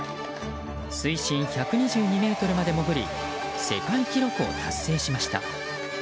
水深１２２ｍまで潜り世界記録を達成しました。